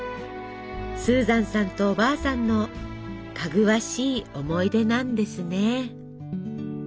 スーザンさんとおばあさんのかぐわしい思い出なんですね。